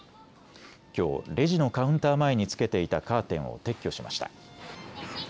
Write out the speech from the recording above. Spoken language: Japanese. きょうレジのカウンター前につけていたカーテンを撤去しました。